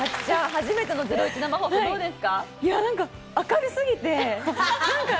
初めての『ゼロイチ』生放送どうですか？